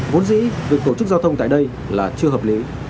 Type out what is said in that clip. vốn dĩ việc tổ chức giao thông tại đây là chưa hợp lý